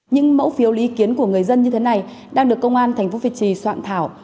những mẫu phiếu lý ý kiến của người dân như thế này đang được công an thành phố việt trì soạn thảo